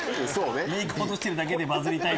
メイク落としてるだけでバズりたい？